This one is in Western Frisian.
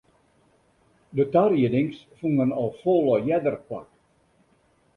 De tariedings fûnen al folle earder plak.